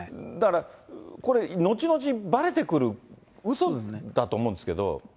だから、これ、後々ばれてくる、うそだと思うんですけど。